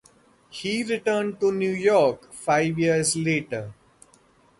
He returned to New York five years later.